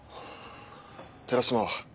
寺島は？